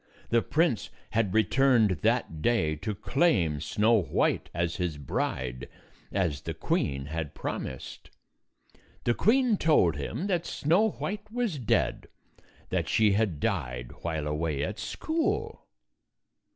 The prince had returned that day to claim Snow White as his bride, as the queen had promised. The queen told him that Snow White was dead; that she had died while away at school.